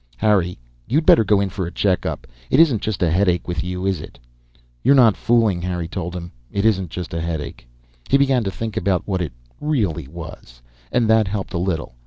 "Harry, you'd better go in for a checkup. It isn't just a headache with you, is it?" "You're not fooling," Harry told him. "It isn't just a headache." He began to think about what it really was, and that helped a little.